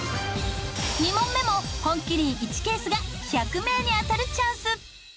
２問目も本麒麟１ケースが１００名に当たるチャンス。